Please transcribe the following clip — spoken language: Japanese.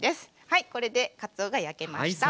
はいこれでかつおが焼けました。